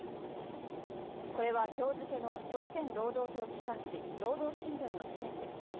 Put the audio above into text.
これは今日付の朝鮮労働党機関紙「労働新聞」の紙面です。